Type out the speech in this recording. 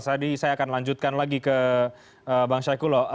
jadi saya akan lanjutkan lagi ke bang syekh kulo